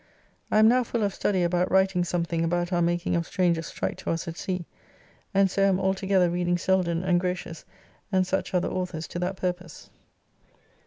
I am now full of study about writing something about our making of strangers strike to us at sea; and so am altogether reading Selden and Grotius, and such other authors to that purpose.